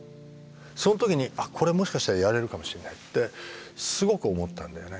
その時に「あっこれもしかしたらやれるかもしれない」ってすごく思ったんだよね。